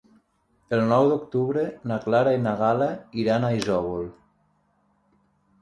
El nou d'octubre na Clara i na Gal·la iran a Isòvol.